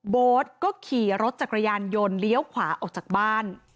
โบ๊ทก็ขี่รถจักรยานยนต์เลี้ยวขวาออกจากบ้าน